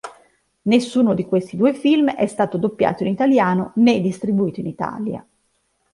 Nessuno di questi due film è stato doppiato in italiano né distribuito in Italia.